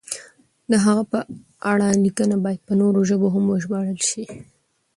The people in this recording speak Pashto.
د هغه په اړه لیکنې باید په نورو ژبو هم وژباړل شي.